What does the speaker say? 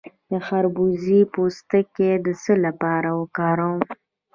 د خربوزې پوستکی د څه لپاره وکاروم؟